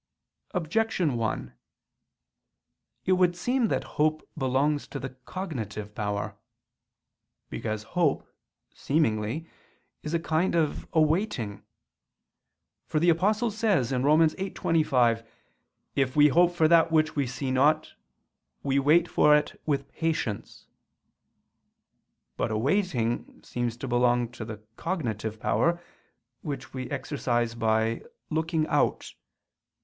Objection 1: It would seem that hope belongs to the cognitive power. Because hope, seemingly, is a kind of awaiting; for the Apostle says (Rom. 8:25): "If we hope for that which we see not; we wait for it with patience." But awaiting seems to belong to the cognitive power, which we exercise by _looking out.